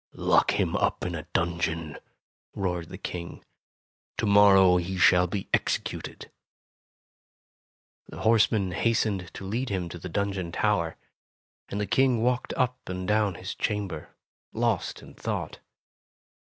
"Lock him up in a dungeon!" roared the King. "To morrow he shall be exe cuted!" The horsemen hastened to lead him to the dungeon tower, and the King walked up and down his chamber, lost in thought.